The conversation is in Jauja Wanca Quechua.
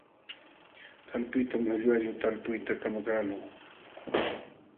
Talpuytam qalluqallu talpuyta kamakaqlun.